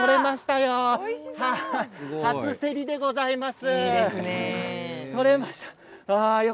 初せりでございます。